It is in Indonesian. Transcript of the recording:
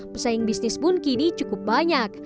pesaing bisnis pun kini cukup banyak